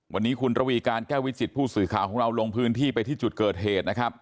วันนี้คุณระวีการแก้ววิจิตผู้สื่อข่าวของเราลงพื้นที่ไปที่จุดเกิดเหตุนะครับ